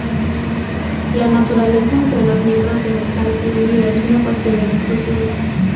La naturaleza entre los miembros del calpulli es una cuestión de discusión.